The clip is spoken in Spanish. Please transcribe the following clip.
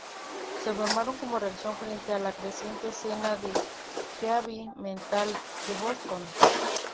Se formaron como reacción frente a la creciente escena de Heavy metal de Boston.